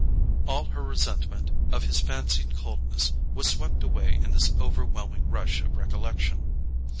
All her resentment of his fancied coldness was swept away in this overwhelming rush of recollection.